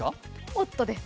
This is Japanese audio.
もっとです。